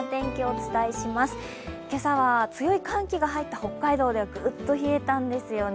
今朝は強い寒気が入った北海道ではグッと冷えたんですよね。